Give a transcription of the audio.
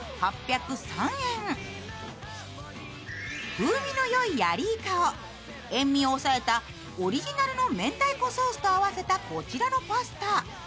風味のよいヤリイカを塩みを抑えたオリジナルの明太子ソースと合わせたこちらのパスタ。